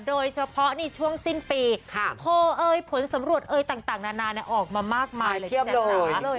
โดยเฉพาะช่วงสิ้นปีโพลผลสำรวจต่างนานาออกมามากมาเทียบเลย